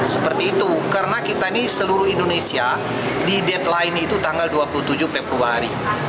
seperti itu karena kita ini seluruh indonesia di deadline itu tanggal dua puluh tujuh februari